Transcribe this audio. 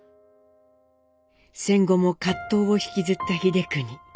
戦後も葛藤を引きずった英邦。